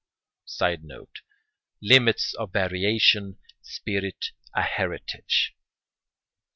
[Sidenote: Limits of variation. Spirit a heritage.